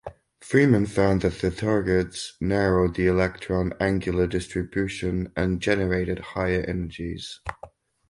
Freeman found that the targets narrowed the electron angular distribution and generated higher energies.